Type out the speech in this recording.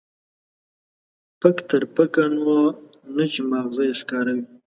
پک تر پکه، نو نه چې ما غزه يې ښکاره وي.